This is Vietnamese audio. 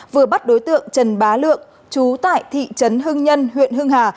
vừa bắt đối tượng trần bá lượng trú tại thị trấn hưng nhân huyện hưng hà